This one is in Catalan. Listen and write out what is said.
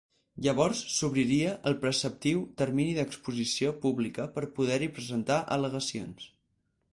Llavors s’obriria el preceptiu termini d’exposició pública per poder-hi presentar al·legacions.